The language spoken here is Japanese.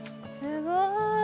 すごい。